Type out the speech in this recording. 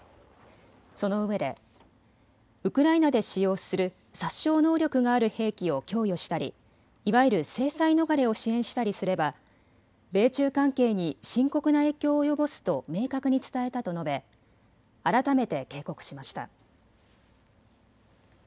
そのうえでウクライナで使用する殺傷能力がある兵器を供与したり、いわゆる制裁逃れを支援したりすれば米中関係に深刻な影響を及ぼすと明確に伝えたと述べ改めて警告しました。